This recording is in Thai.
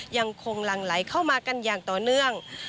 ยังคงหลั่งไหลเข้ามากันอย่างต่อเนื่อง